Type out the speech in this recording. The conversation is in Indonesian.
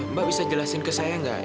mbak bisa jelasin ke saya nggak